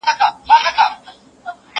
زه به د کتابتون لپاره کار کړي وي!.